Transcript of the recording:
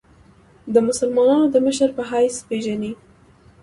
د مسلمانانو د مشر په حیث پېژني.